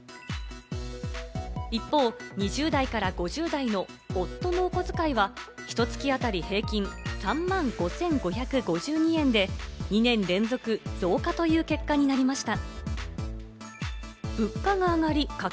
一方、２０代５０代の夫のおこづかいは、ひと月あたり平均３万５５５２円で２年連続増加という結果になりあちぃ。